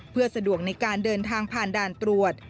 เพื่อสะดวกในการเดินทางผ่านด่านตรวจ